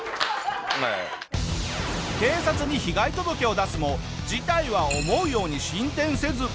警察に被害届を出すも事態は思うように進展せず。